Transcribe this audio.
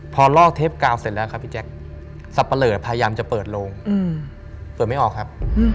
พอลอกเทปกาวเสร็จแล้วครับพี่แจ๊คสับปะเลอพยายามจะเปิดโรงเปิดไม่ออกครับ